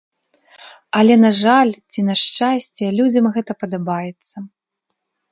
Але на жаль, ці на шчасце, людзям гэта падабаецца.